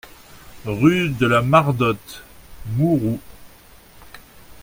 Rue de la Mardotte, Mouroux